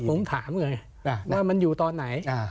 ผมถามไงว่ามันอยู่ตอนไหน